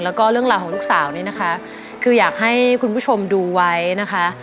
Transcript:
แล้วก็เรื่องราวของลูกสาวนี่นะคะคืออยากให้คุณผู้ชมดูไว้นะคะ